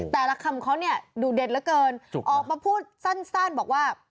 คำเขาเนี่ยดูเด็ดเหลือเกินออกมาพูดสั้นบอกว่า